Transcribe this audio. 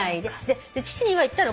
父には言ったの。